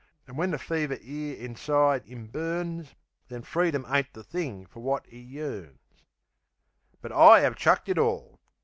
An' when the fever 'ere inside 'im burns, Then freedom ain't the thing fer wot 'e yearns. But I 'ave chucked it all.